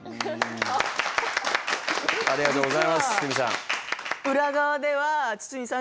ありがとうございます堤さん。